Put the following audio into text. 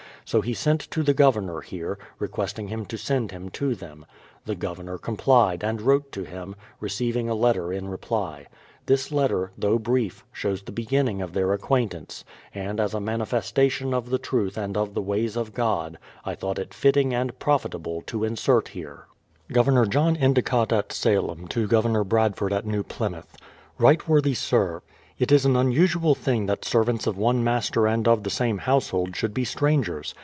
So he sent to the Governor here, requesting him to send him to them. The Governor complied, and wrote to him, receiving a letter in reply. This letter, though brief, shows the begin ning of their acquaintance; and as a manifestation of the truth and of the ways of God, I thought it fitting and profitable to insert it here. Governor John Endicott at Salem to Governor Bradford at New Plymouth: Right Worthy Sir, It is an unusual thing that servants of one master and of the same household should be strangers